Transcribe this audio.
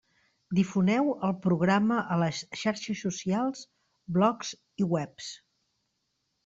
Difoneu el programa a les xarxes socials, blogs i webs.